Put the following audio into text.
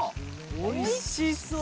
おいしそう！